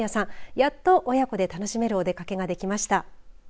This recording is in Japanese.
やっと親子で楽しめるお出かけができました。